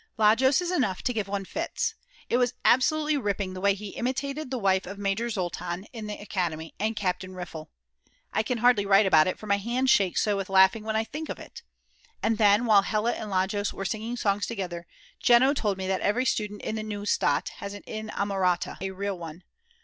Lajos is enough to give one fits; it was absolutely ripping the way he imitated the wife of Major Zoltan in the Academy and Captain Riffl. I can hardly write about it, for my hand shakes so with laughing when I think of it. And then, while Hella and Lajos were singing songs together, Jeno told me that every student in the Neustadt has an inamorata, a real one.